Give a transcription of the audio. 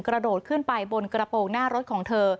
กระโดดขึ้นไปบนกระโปรงหน้ารถของเธอ